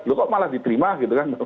loh kok malah diterima gitu kan